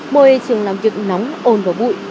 môi trường làm việc nóng ồn và bụi